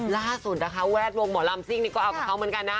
ล่าสุดแว๊ดวงหมอรัมซ์ซิ่งก็เอากับเขาเหมือนกันนะ